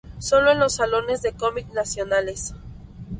Sólo en los salones de cómic nacionales.